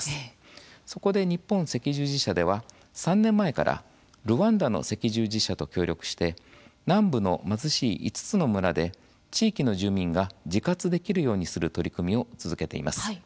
そこで、日本赤十字社では３年前からルワンダの赤十字社と協力して南部の貧しい５つの村で地域の住民が自活できるようにする取り組みを続けています。